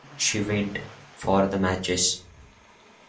She went for the matches.